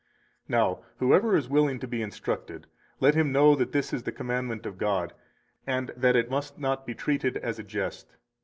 246 Now, whoever is willing to be instructed, let him know that this is the commandment of God, and that it must not be treated as a jest.